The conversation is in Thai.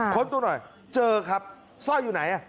ค้นตัวหน่อยเจอครับซ่อยอยู่ไหนอ่ะ